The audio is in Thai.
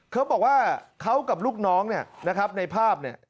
เขาบอกว่าเขากับลูกน้องเนี่ยนะครับในภาพเนี่ย